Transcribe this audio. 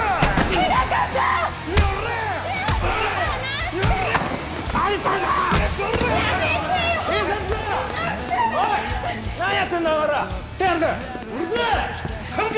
日高さんっ